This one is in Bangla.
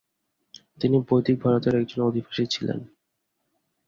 তিনি বৈদিক ভারতের একজন অধিবাসী ছিলেন।